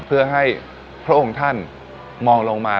เพื่อให้พระองค์ท่านมองลงมา